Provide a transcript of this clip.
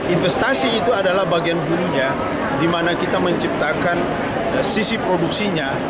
investasi itu adalah bagian hulunya di mana kita menciptakan sisi produksinya